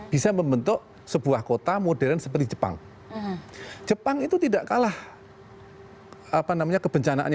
bisa membentuk sebuah kota modern seperti jepang jepang itu tidak kalah apa namanya kebencanaannya